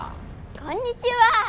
こんにちは。